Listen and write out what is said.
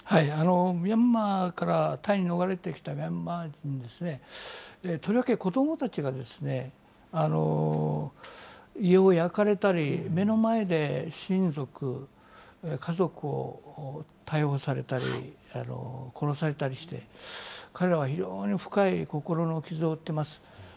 ミャンマーからタイに逃れてきたミャンマー人ですね、とりわけ、子どもたちが家を焼かれたり、目の前で親族、家族を逮捕されたり、殺されたりして、彼らは非常に深い心の傷を負ってます。